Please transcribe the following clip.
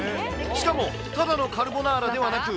しかも、ただのカルボナーラではなく。